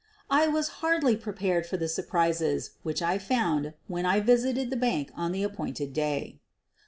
I was hardly prepared for the surprises which I found when I visited the bank on the appointed day.